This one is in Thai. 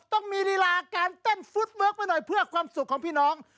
ต้องมีลีลาการเต้นฟุตเวิร์คไปหน่อยเพื่อความสุขของพี่น้อง